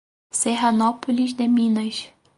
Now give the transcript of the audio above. Serranópolis de Minas